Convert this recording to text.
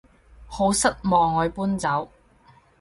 好失望我要搬走